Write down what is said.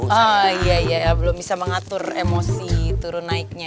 oh iya iya belum bisa mengatur emosi turun naiknya